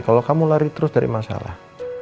kalau kamu lari terus dari masalah